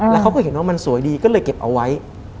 แล้วเขาก็เห็นว่ามันสวยดีก็เลยเก็บเอาไว้